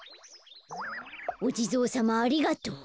おじぞうさまありがとう。